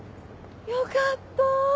よかった！